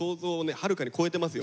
はるかに超えてますよ。